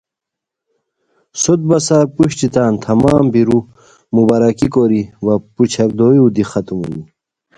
سوت بسار پروشٹی تان تمام بیرو مبارکی کوری وا پورچھاک دویو دی ختم ہونی